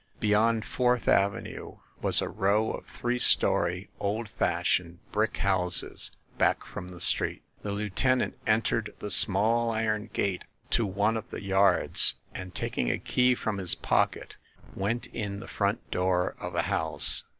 Beyond Fourth Avenue was a row of three story, old fashioned, brick houses, back from the street. The lieutenant entered the small iron gate to one of the yards and, taking a key from his pocket, went in the front door of a house.